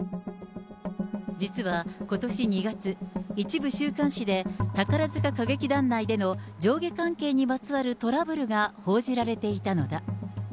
実は、ことし２月、一部週刊誌で、宝塚歌劇団内での上下関係にまつわるトラブルが報じられていたのだ。